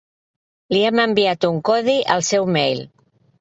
Li hem enviat un codi al seu mail.